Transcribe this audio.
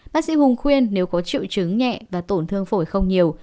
bác sĩ hùng khuyên nếu có triệu chứng nhẹ và tổn thương phổi không nhiều